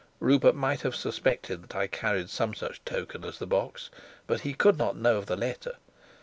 Rupert might have suspected that I carried some such token as the box, but he could not know of the letter.